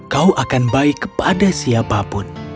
kau akan baik kepada siapapun